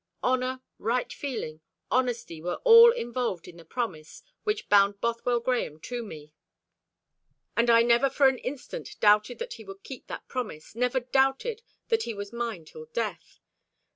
Honour, right feeling, honesty, were all involved in the promise which bound Bothwell Grahame to me; and I never for an instant doubted that he would keep that promise, never doubted that he was mine till death.